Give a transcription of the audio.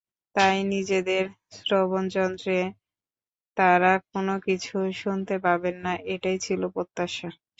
তাই নিজেদের শ্রবণযন্ত্রে তাঁরা কোনো কিছু শুনতে পাবেন না, এটাই ছিল প্রত্যাশা।